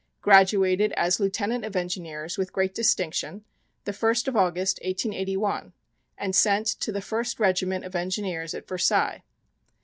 Graduated as Lieutenant of Engineers with great distinction, the 1st of August, 1881, and sent to the First Regiment of Engineers at Versailles.